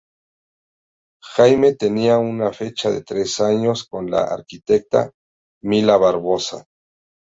Jayme tenía una fecha de tres años con la arquitecta "Mila Barbosa".